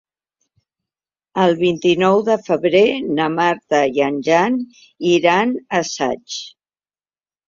El vint-i-nou de febrer na Marta i en Jan iran a Saix.